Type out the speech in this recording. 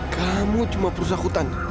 kamu cuma perusahaan hutan